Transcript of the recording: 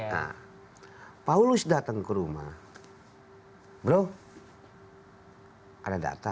nah paulus datang ke rumah bro ada data